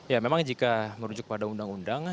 ya memang jika merujuk pada undang undang